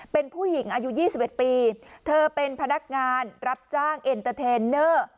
เป็นผู้หญิงอายุ๒๑ปีเธอเป็นพนักงานรับจ้างเอ็นเตอร์เทนเนอร์